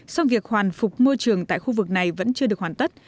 sau việc hoàn phục môi trường tại khu vực này vẫn chưa được hoàn tất